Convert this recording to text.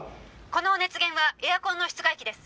「この熱源はエアコンの室外機です」